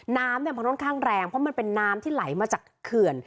น้ำมันค่อนข้างแรงเพราะมันเป็นน้ำที่ไหลมาจากเขื่อน